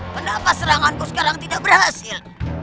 pendapat seranganku sekarang tidak berhasil